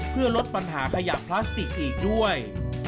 เพื่อลดปัญหาขยะพลาสติกอีกด้วย